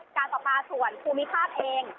การประปาส่วนภูมิภาคเอง